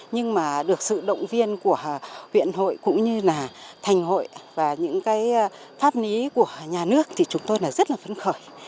nhưng mà được sự động viên của huyện hội cũng như là thành hội và những cái pháp lý của nhà nước thì chúng tôi là rất là phấn khởi